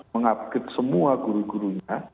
mengupgrade semua guru gurunya